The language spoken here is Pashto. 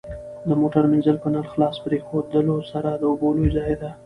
د موټر مینځل په نل خلاص پرېښودلو سره د اوبو لوی ضایع ده.